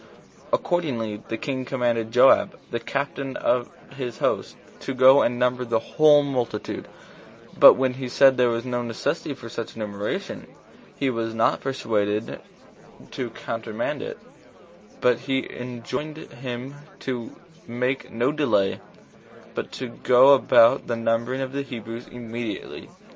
Accordingly the king commanded Joab, the captain of his host, to go and number the whole multitude; but when he said there was no necessity for such a numeration, he was not persuaded [to countermand it], but he enjoined him to make no delay, but to go about the numbering of the Hebrews immediately.